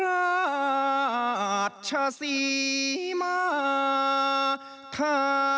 คู่ใจนักช็อปคู่คิดร้านค้าจากธนาคารกรุงเทพธนาฬิกา